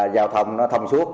giao thông thông suốt